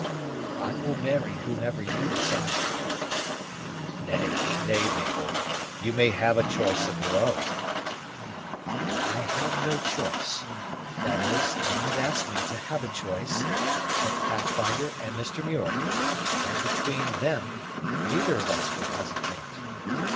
"I will marry whomever you desire." "Nay, nay, Mabel, you may have a choice of your own " "I have no choice; that is, none have asked me to have a choice, but Pathfinder and Mr. Muir; and between them, neither of us would hesitate.